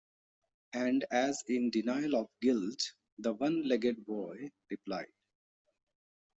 And as in denial of guilt, the one-legged boy replied.